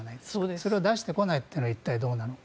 それを出してこないというのは一体どうなのか。